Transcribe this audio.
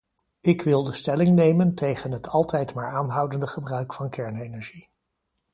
Ik wilde stelling nemen tegen het altijd maar aanhoudende gebruik van kernenergie.